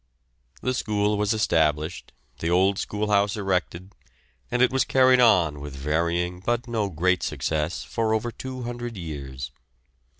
The school was established, the old schoolhouse erected, and it was carried on with varying, but no great success, for over two hundred years.